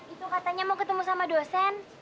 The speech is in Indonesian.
itu katanya mau ketemu sama dosen